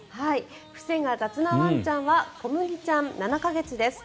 伏せが雑なワンちゃんはこむぎちゃん、７か月です。